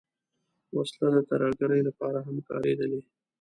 وسله د ترهګرۍ لپاره هم کارېدلې